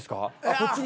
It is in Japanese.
こっちに。